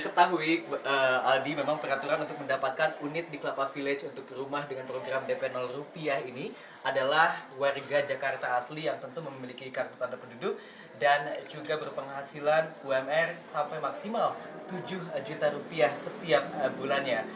ketahui aldi memang peraturan untuk mendapatkan unit di kelapa village untuk rumah dengan program dp rupiah ini adalah warga jakarta asli yang tentu memiliki kartu tanda penduduk dan juga berpenghasilan umr sampai maksimal tujuh juta rupiah setiap bulannya